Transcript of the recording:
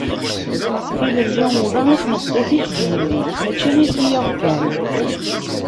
Tilelli ula i tmeṭṭut-ik d yelli-k, mačči i tiyaḍ kan.